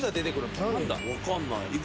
分かんない。